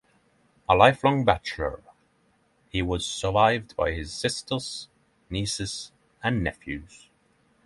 A lifelong bachelor, he was survived by his sisters, nieces and nephews.